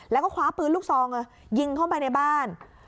แล้วก็คว้าปืนลูกซองยิงเข้าไปในบ้าน